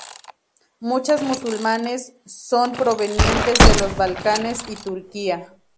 Muchos musulmanes son provenientes de los Balcanes y Turquía.